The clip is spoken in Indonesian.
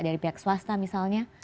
dari pihak swasta misalnya